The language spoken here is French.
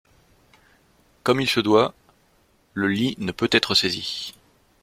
Comme il se doit, le lit ne peut être saisi.